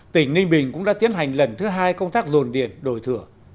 tỉnh ninh bình cũng đã tiến hành lần thứ hai công tác dồn điền đổi thửa